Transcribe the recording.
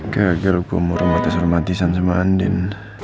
gagal gue murah mata selamatisan sama andien